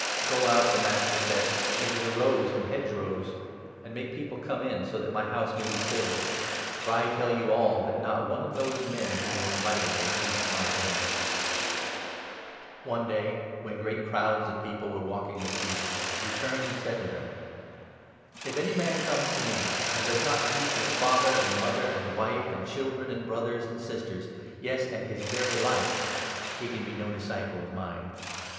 'Go out,' the master said, ' into the roads and hedgerows, 23 and make people come in, so that my house may be filled ; for I tell you all that not one of those men who were invited 24 will taste my dinner.'" 140 LUKE, 14 15. The cost ay> wnen great crowds of people were 25 of walking with Jesus, he turned and said to them : Seif deniai. « jf any man comes to me and does not hate his 26 father, and mother, and wife, and children, and brothers, and sisters, yes and his very life, he can be no disciple of mine.